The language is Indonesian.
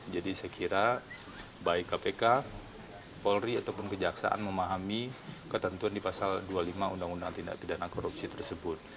jadi saya kira baik kpk polri ataupun kejaksaan memahami ketentuan di pasal dua puluh lima undang undang tindak pidana korupsi tersebut